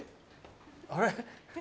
あれ？